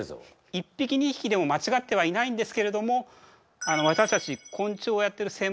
１匹２匹でもまちがってはいないんですけれども私たち昆虫をやっている専門家の多くはですね